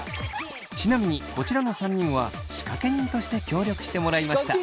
ちなみにこちらの３人は仕掛け人として協力してもらいました。